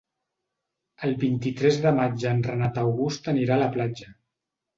El vint-i-tres de maig en Renat August anirà a la platja.